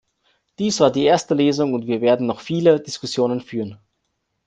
Dies war die erste Lesung, und wir werden noch viele Diskussionen führen.